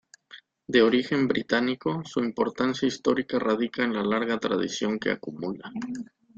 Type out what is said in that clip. De origen británico, su importancia histórica radica en la larga tradición que acumula.